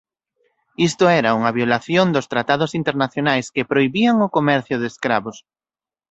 Isto era unha violación dos tratados internacionais que prohibían o comercio de escravos.